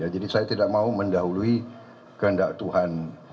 jadi saya tidak mau mendahului kandak tuhan